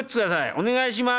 お願いします！